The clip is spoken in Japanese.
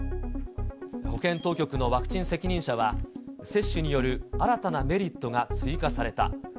保健当局のワクチン責任者は、接種による新たなメリットが追加された。